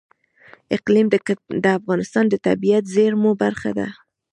اقلیم د افغانستان د طبیعي زیرمو برخه ده.